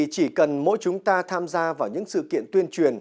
chỉ cần mỗi chúng ta tham gia vào những sự kiện tuyên truyền